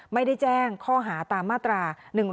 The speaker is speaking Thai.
ไม่ได้แจ้งข้อหาตามมาตรา๑๑๒